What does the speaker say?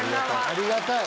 ありがたい。